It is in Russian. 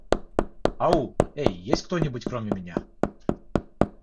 Ау? Эй, есть тут кто-нибудь, кроме меня?